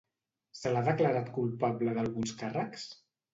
Se l'ha declarat culpable d'alguns càrrecs.